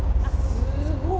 すごい！